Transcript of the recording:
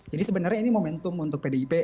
jadi sebenarnya ini momentum untuk pdip